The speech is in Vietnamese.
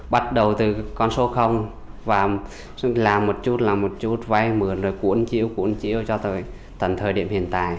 bắt đầu từ con số và làm một chút làm một chút vay mượn rồi cuốn chiếu cuốn chiếu cho tới tận thời điểm hiện tại